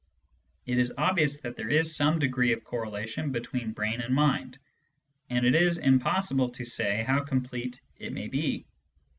It is obvious that there is some degree of correlation be tween brain and mind, and it is impossible to say how complete it may be.